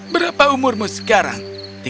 berapa umurmu sekarang